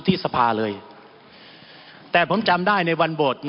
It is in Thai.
มันมีมาต่อเนื่องมีเหตุการณ์ที่ไม่เคยเกิดขึ้น